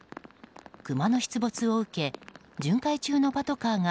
クマの出没を受け巡回中のパトカーが